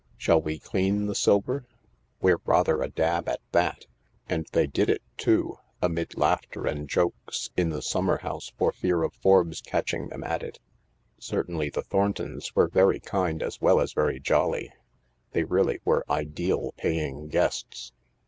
Shall we clean the silver ? We're rather a dab at that." 262 THE LARK And they did it too, amid laughter and jokes— in the summer house, for fear of Forbes catching them at it. Cer tainly the Thorntons were very kind as well as very jolly. They really were ideal paying guests.